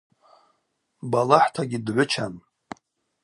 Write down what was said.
Балахӏтагьи дгӏвычан.